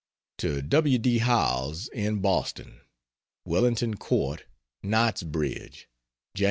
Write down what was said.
To W. D. Howells, in Boston: WELLINGTON COURT, KNIGHTSBRIDGE, Jan.